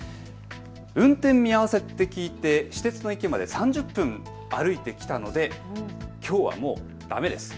運転見合わせって聞いて私鉄の駅まで３０分歩いてきたのできょうはもうだめです。